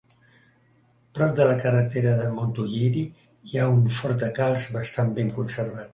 Prop de la carretera de Montuïri hi ha un forn de calç bastat ben conservat.